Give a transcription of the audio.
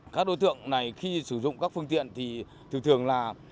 các đối tượng này khi sử dụng các phương tiện thì thường thường là